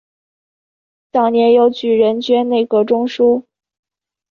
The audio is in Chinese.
早年由举人捐内阁中书。